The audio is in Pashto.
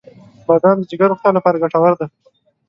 • بادام د جګر روغتیا لپاره ګټور دی.